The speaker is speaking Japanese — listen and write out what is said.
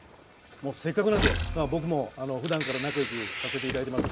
せっかくなんで僕もふだんから仲よくさせていただいてます